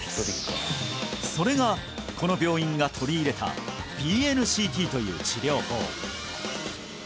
それがこの病院が取り入れたＢＮＣＴという治療法